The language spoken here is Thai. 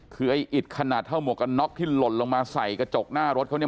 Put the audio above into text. คือไอ้อิดขนาดเท่าหมวกกันน็อกที่หล่นลงมาใส่กระจกหน้ารถเขาเนี่ย